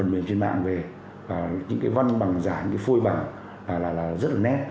chúng tôi tìm mạng về những văn bằng giả phôi bằng rất là nét